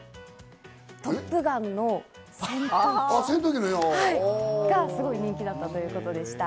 『トップガン』の戦闘機、すごい人気だったということでした。